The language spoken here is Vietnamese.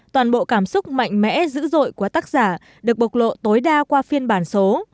toàn bộ cảm xúc mạnh mẽ dữ dội của tác giả được bộc lộ tối đa qua phiên bản số